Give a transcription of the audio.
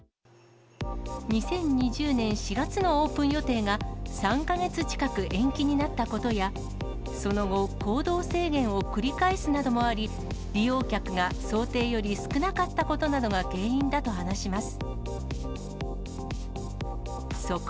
２０２０年４月のオープン予定が、３か月近く延期になったことや、その後、行動制限を繰り返すなどもあり、利用客が想定より少なかったことなどが原因だと話します。